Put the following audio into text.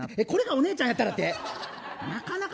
これがお姉ちゃんやったらて！